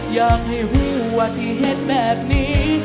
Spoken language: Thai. อยากให้หัวที่เห็นแบบนี้